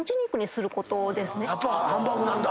やっぱりハンバーグなんだ。